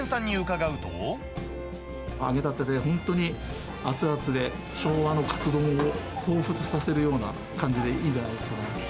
揚げたてで本当に熱々で、昭和のカツ丼をほうふつさせるような感じでいいんじゃないですか。